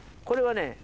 これはね